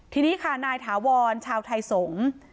ทีนี้ค่ะนายถาวรชาวไทยสงฆ์